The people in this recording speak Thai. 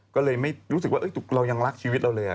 ก็เลยไม่รู้สึกว่าเรายังรักชีวิตเราเลย